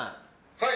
はい。